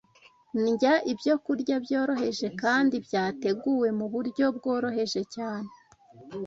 Ndya ibyokurya byoroheje, kandi byateguwe mu buryo bworoheje cyane